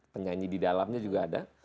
penyanyi di dalamnya juga ada